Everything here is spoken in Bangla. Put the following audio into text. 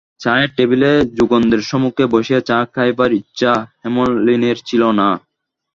চায়ের টেবিলে যোগেন্দ্রের সম্মুখে বসিয়া চা খাইবার ইচ্ছা হেমনলিনীর ছিল না।